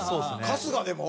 春日でも？